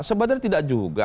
sebenarnya tidak juga